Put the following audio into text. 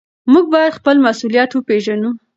موږ بايد خپل مسؤليت وپېژنو.